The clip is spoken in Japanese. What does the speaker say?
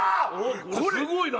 これすごいな！